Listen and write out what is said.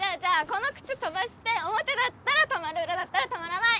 この靴飛ばして表だったら泊まる裏だったら泊まらない！